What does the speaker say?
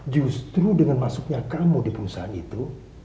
justru dengan masuknya kamu di perusahaan itu